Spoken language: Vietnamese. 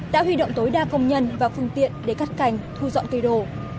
đã huy động tối đa công nhân và phương tiện để cắt cảnh thu dọn cây đồ